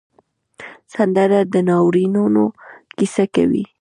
سندره د ناورینونو کیسه کوي